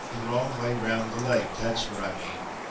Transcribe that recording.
"The wrong way round the Lake that's what I mean!"